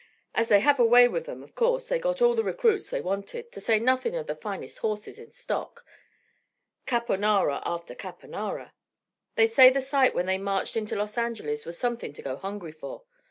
As they have a way with 'em, of course they got all the recruits they wanted, to say nothin' of the finest horses in stock caponara after caponara. They say the sight when they marched into Los Angeles was somethin' to go hungry for.